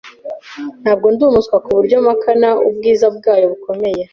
Ntabwo ndi umuswa kuburyo mpakana ubwiza bwayo bukomeye.